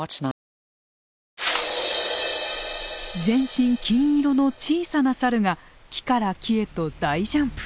全身金色の小さなサルが木から木へと大ジャンプ。